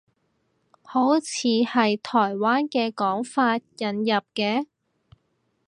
好似係台灣嘅講法，引入嘅